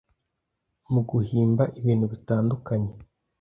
mu guhimba ibintu bitandukanye